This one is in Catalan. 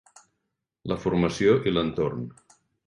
La formació i l'entorn